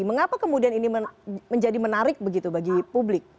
mengapa kemudian ini menjadi menarik begitu bagi publik